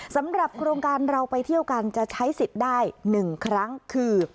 สำหรับโครงการเราไปเที่ยวกันจะใช้สิทธิ์ได้๑ครั้งคือ